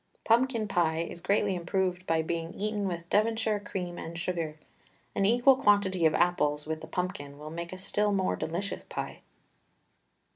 Pumpkin pie is greatly unproved by being eaten with Devonshire cream and sugar. An equal quantity of apples with the pumpkin will make a still more delicious pie.